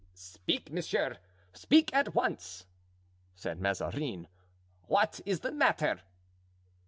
"Speak, monsieur, speak at once!" said Mazarin "What is the matter?"